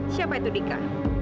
siapa itu dika